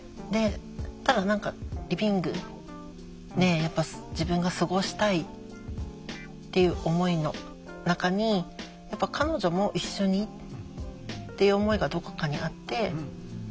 ただ何かリビングで自分が過ごしたいっていう思いの中にやっぱ彼女も一緒にっていう思いがどこかにあって。